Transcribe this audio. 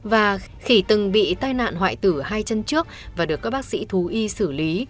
và khỉ từng bị tai nạn hoại tử hai chân trước và được các bác sĩ thú y xử lý